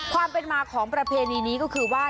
ความเป็นมาของประเพณีนี้ก็คือว่า